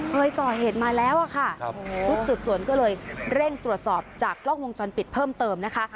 เคยก่อเหตุมาแล้วอะค่ะชุดสืบสวนก็เลยเร่งตรวจสอบจากกล้องวงจรปิดเพิ่มเติมนะคะ